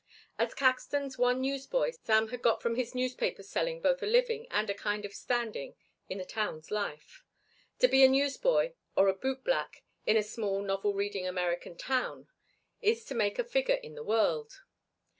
As Caxton's one newsboy Sam had got from his newspaper selling both a living and a kind of standing in the town's life. To be a newsboy or a bootblack in a small novel reading American town is to make a figure in the world.